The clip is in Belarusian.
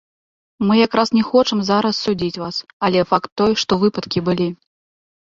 Мы якраз не хочам зараз судзіць вас, але ж факт той, што выпадкі былі.